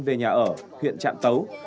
về nhà ở huyện trạm tấu